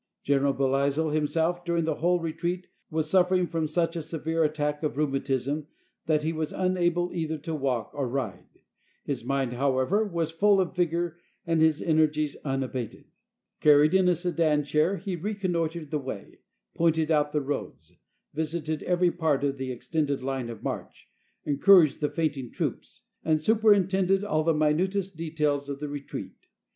General Belleisle himself, during the whole re treat, was suffering from such a severe attack of rheu matism, that he was unable either to walk or ride. His mind, however, was full of vigor and his energies un abated. Carried in a sedan chair he reconnoitered the way, pointed out the roads, visited every part of the ex tended line of march, encouraged the fainting troops, and superintended all the minutest details of the retreat.